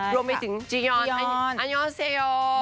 รวมไปถึงจิยอนอันยองเซโย